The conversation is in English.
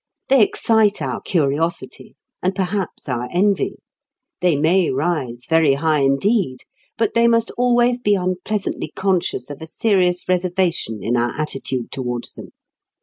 They excite our curiosity, and perhaps our envy. They may rise very high indeed, but they must always be unpleasantly conscious of a serious reservation in our attitude towards them.